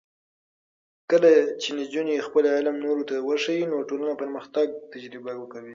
کله چې نجونې خپل علم نورو ته وښيي، نو ټولنه پرمختګ تجربه کوي.